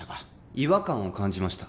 違和感を感じました